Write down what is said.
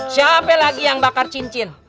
siapa lagi yang bakar cincin